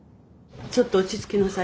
ちょっと落ち着きなさい。